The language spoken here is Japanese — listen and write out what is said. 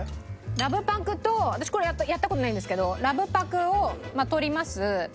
ラブパクと私これやった事ないんですけどラブパクを取ります。